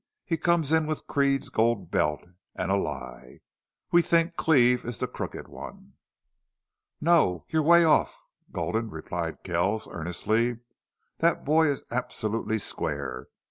He comes in with Creede's gold belt and a lie!... We think Cleve is the crooked one." "No! You're way off, Gulden," replied Kells, earnestly. "That boy is absolutely square.